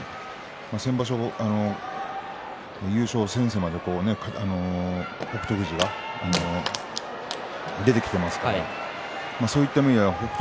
先場所、優勝戦線まで北勝富士が出てきていますからそういう意味では北勝